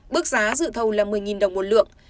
bước giá dự thầu là một mươi đồng một lượng